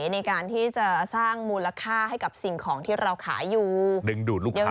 ในการที่จะสร้างมูลค่าให้กับสิ่งของที่เราขายอยู่ดึงดูดลูกค้า